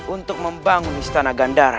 untuk membangun istana gandara